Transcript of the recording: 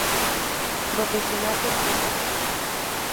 Profesional de prensa.